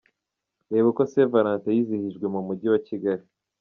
Reba uko Saint Valentin yizihijwe mu Mujyi wa Kigali:.